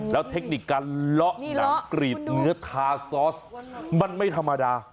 แล้วเทคนิคการเลาะหนังกรีดเนื้อทาซอสมันไม่ธรรมดา